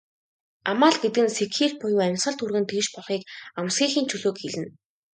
Амал гэдэг нь сэгхийлт буюу амьсгал түргэн тэгш болохыг, амсхийхийн чөлөөг хэлнэ.